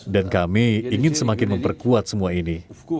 dan kami ingin semakin memperkuat semua ini